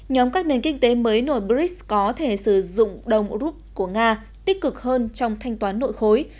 nhóm các nền kinh tế mới nổi brics có thể sử dụng đồng rút của nga tích cực hơn trong thanh toán nội khối